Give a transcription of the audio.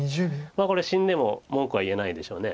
これ死んでも文句は言えないでしょうね。